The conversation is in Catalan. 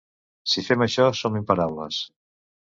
Si fem això som imparables.